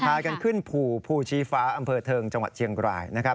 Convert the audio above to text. ถ่ายกันขึ้นภูภูชีฟ้าอำเภอเทิงจังหวัดเจียงกราย